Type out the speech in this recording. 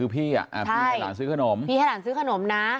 พี่ให้หลานซื้อขนมนะ